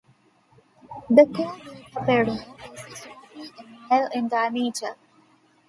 The core built up area, this is roughly a mile in diameter.